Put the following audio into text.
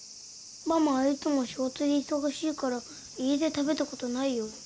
ママはいつも仕事で忙しいから家で食べたことないよ。